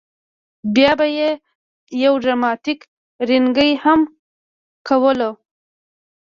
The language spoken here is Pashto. بیا به یې یو ډراماتیک رینګی هم کولو.